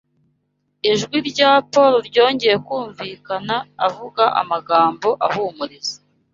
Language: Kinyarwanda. ijwi rya Pawulo ryongeye kumvikana, avuga amagambo ahumuriza